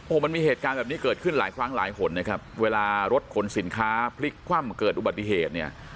โอ้โหมันมีเหตุการณ์แบบนี้เกิดขึ้นหลายครั้งหลายหนนะครับเวลารถขนสินค้าพลิกคว่ำเกิดอุบัติเหตุเนี่ย